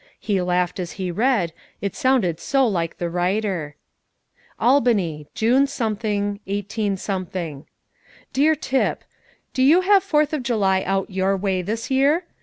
He laughed as he read, it sounded so like the writer: ALBANY, June , 18 . "DEAR TIP, Do you have Fourth of July out your way this year?